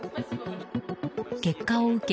結果を受け